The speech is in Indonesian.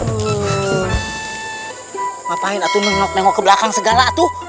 ngapain aku nengok nengok ke belakang segala